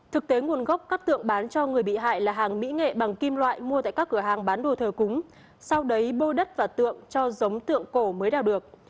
thực tế nguồn gốc các tượng bán cho người bị hại là hàng mỹ nghệ bằng kim loại mua tại các cửa hàng bán đồ thờ cúng sau đấy bô đất và tượng cho giống tượng cổ mới đào được